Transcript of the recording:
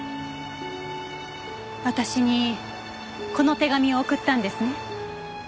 私にこの手紙を送ったんですね？